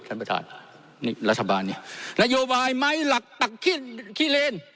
ท่านประธานนี่รัฐบาลนี่นโยบายไม้หลักตักขี้ขี้เลน